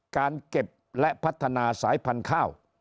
การเก็บและพัฒนาสายพันธุ์ข้าว